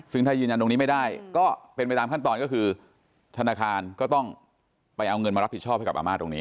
ซึ่งถ้ายืนยันตรงนี้ไม่ได้ก็เป็นไปตามขั้นตอนก็คือธนาคารก็ต้องไปเอาเงินมารับผิดชอบให้กับอาม่าตรงนี้